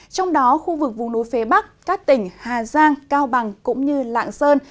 trong đó khu vực vùng núi phía bắc các tỉnh hà giang cao bằng cũng như lạng sơn